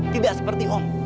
tidak seperti om